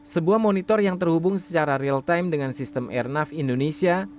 sebuah monitor yang terhubung secara real time dengan sistem airnav indonesia